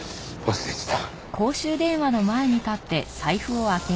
忘れてた。